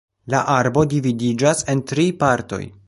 La arbo dividiĝas en tri partoj.